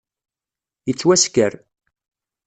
Yettwasker.